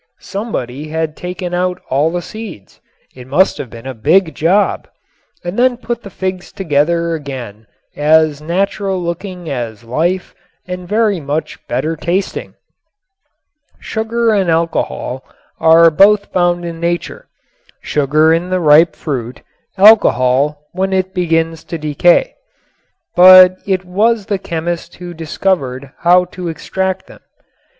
Somebody had taken out all the seeds it must have been a big job and then put the figs together again as natural looking as life and very much better tasting. Sugar and alcohol are both found in Nature; sugar in the ripe fruit, alcohol when it begins to decay. But it was the chemist who discovered how to extract them.